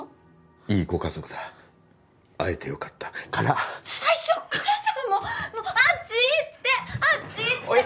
「いいご家族だ会えてよかった」から最初っからじゃんもうあっち行ってあっち行って！